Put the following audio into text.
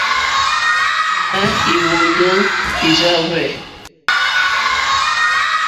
Í má ǃhwóndó ǃjá hwɛ̂.